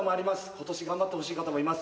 今年頑張ってほしい方もいます